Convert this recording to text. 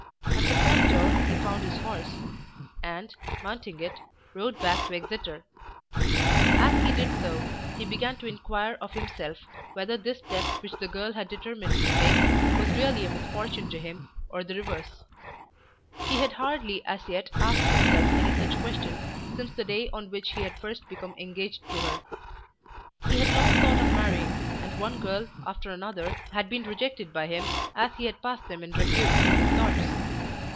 At the front door he found his horse, and, mounting it, rode back into Exeter. As he did so he began to inquire of himself whether this step which the girl had determined to take was really a misfortune to him or the reverse. He had hardly as yet asked himself any such question since the day on which he had first become engaged to her. He had long thought of marrying, and one girl after another had been rejected by him as he had passed them in review through his thoughts.